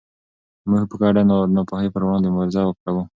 موږ په ګډه د ناپوهۍ پر وړاندې مبارزه کوو.